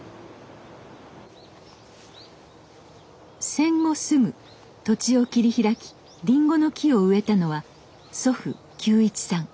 戦後すぐ土地を切り開きりんごの木を植えたのは祖父久一さん。